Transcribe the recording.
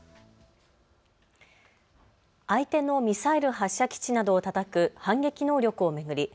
相手のミサイル発射基地などをたたく反撃能力を巡り